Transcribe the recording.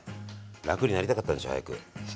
楽になりたかったんでしょ早く。